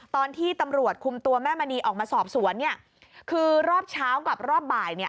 ตอนที่ตำรวจคุมตัวแม่มณีออกมาสอบสวนเนี่ยคือรอบเช้ากับรอบบ่ายเนี่ย